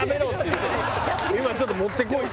今は「ちょっと持ってこい」。